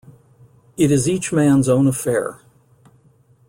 It is each man’s own affair.